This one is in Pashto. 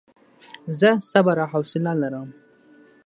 زه صبر او حوصله لرم.